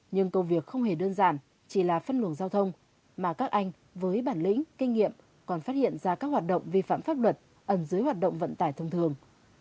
nhưng công việc không hề đơn giản chỉ là phân luồng giao thông mà các anh với bản lĩnh kinh nghiệm còn phát hiện ra các hoạt động vi phạm pháp luật ẩn dưới hoạt động vận tải thông thường